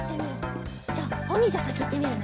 じゃあおにんじゃさきいってみるね。